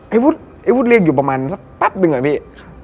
ไอ้บุ๊ตไอ้บุ๊ตเรียกอยู่ประมาณสักปั๊บหนึ่งอะพี่